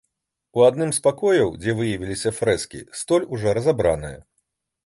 А ў адным з пакояў, дзе выявілі фрэскі, столь ужо разабраная.